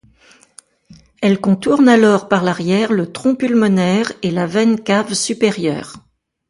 Elle contourne alors par l'arrière le tronc pulmonaire et la veine cave supérieure.